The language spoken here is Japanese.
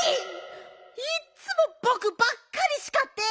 いっつもぼくばっかりしかって！